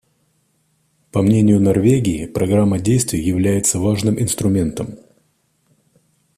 По мнению Норвегии, Программа действий является важным инструментом.